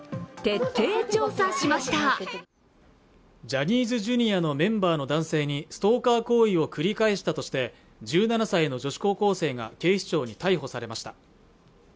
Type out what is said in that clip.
ジャニーズＪｒ．のメンバーの男性にストーカー行為を繰り返したとして１７歳の女子高校生が警視庁に逮捕されました